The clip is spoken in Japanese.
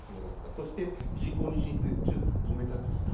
そして人工妊娠中絶を止めたかった。